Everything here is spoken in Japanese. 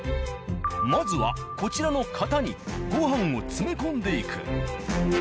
まずはこちらの型にご飯を詰め込んでいく。